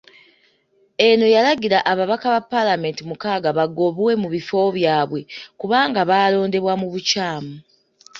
Eno yalagira ababaka ba palamenti mukaaga bagobwe mu bifo byabwe kubanga baalondebwa mu bukyamu.